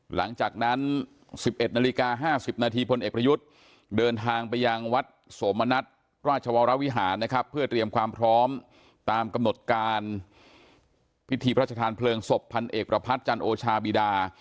หลังจากนั้น๑๑นาฬิกา๕๐นาทีพลเอกประยุทธ์เดินทางไปยังวัดโสมณัฐราชวรวิหารนะครับเพื่อเตรียมความพร้อมตามกำหนดการพิธีพระชธานเพลิงศพพันเอกประพัทธ์จันโอชาบีดา